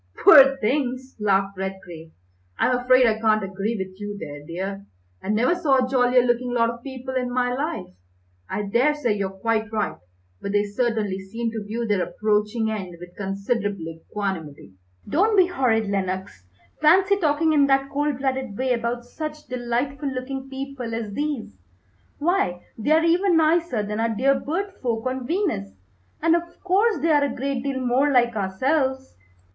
"Poor things!" laughed Redgrave. "I'm afraid I can't agree with you there, dear. I never saw a jollier looking lot of people in my life. I daresay you're quite right, but they certainly seem to view their approaching end with considerable equanimity." "Don't be horrid, Lenox! Fancy talking in that cold blooded way about such delightful looking people as these, why, they are even nicer than our dear bird folk on Venus, and of course they are a great deal more like ourselves."